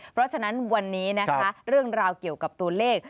เพราะฉะนั้นวันนี้นะคะเรื่องราวเกี่ยวกับตัวเลข